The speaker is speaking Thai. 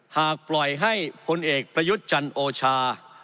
หากปล่อยให้พลเอกประยุทธ์จันโอชา